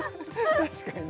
確かにね